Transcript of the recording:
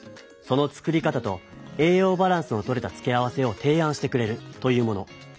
その作り方と栄養バランスの取れたつけ合わせをていあんしてくれるというもの。